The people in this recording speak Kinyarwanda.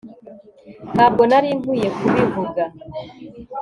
ntabwo nari nkwiye kubivuga